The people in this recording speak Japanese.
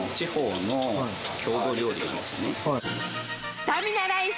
スタミナライス？